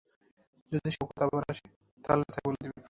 যদি শওকত আবার আসে, তাহলে তাকে বল দিবে।